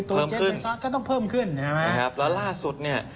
เจสเบซอสก็ต้องเพิ่มขึ้นแล้วล่าสุดเนี่ย